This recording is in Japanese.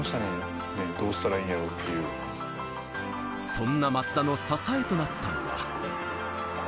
そんな松田の支えとなったのは。